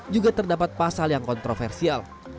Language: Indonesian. juga terdapat pasal yang kontroversial